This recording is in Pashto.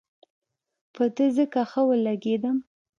په ده ځکه ښه ولګېدم.